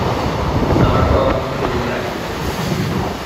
Narva was evacuated.